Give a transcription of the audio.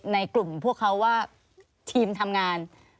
ในกลุ่มพวกเขาว่าทีมทำงาน